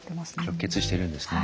直結してるんですね。